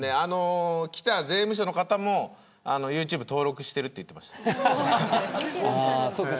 来た税務署の方もユーチューブ登録しているって言ってました。